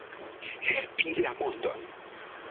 Helpi la mondon.